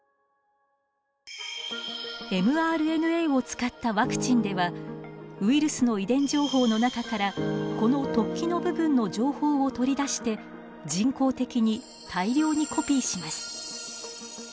ｍＲＮＡを使ったワクチンではウイルスの遺伝情報の中からこの突起の部分の情報を取り出して人工的に大量にコピーします。